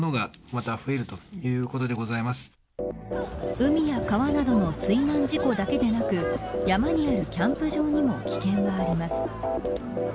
海や川などの水難事故だけでなく山にあるキャンプ場にも危険があります。